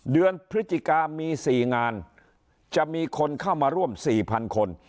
พฤศจิกามี๔งานจะมีคนเข้ามาร่วม๔๐๐คน